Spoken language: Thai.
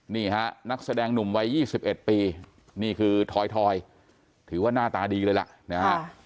นี่ฮะนักแสดงหนุ่มวัย๒๑ปีนี่คือทอยถือว่าหน้าตาดีเลยล่ะนะฮะ